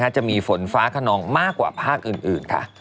จะมีฝนฟ้าขนองมากกว่าภาคอื่นค่ะ